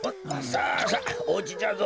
さあさあおうちじゃぞ。